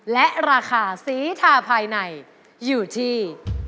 และราคาสีทาภายในอยู่ที่